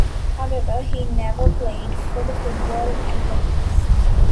However, he never played for the football Athletics.